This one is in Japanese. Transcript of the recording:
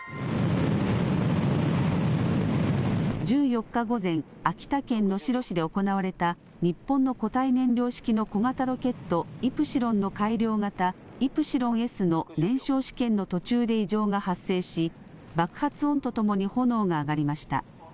１４日午前、秋田県能代市で行われた日本の固体燃料式の小型ロケット、イプシロンの改良型、イプシロンＳの燃焼試験の途中で異常が発生し爆発音とともに炎が上がりました。